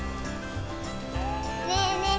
ねえねえ